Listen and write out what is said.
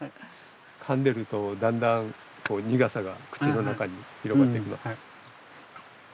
かんでるとだんだんこう苦さが口の中に広がってきます。